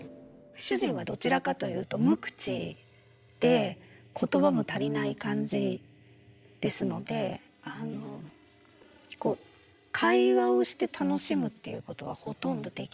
主人はどちらかというと無口で言葉も足りない感じですので会話をして楽しむっていうことはほとんどできない。